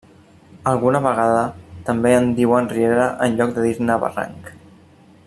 Alguna vegada també en diuen riera en lloc de dir-ne barranc.